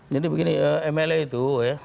jadi begini mle itu